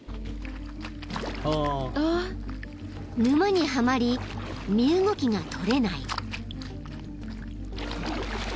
［沼にはまり身動きがとれない］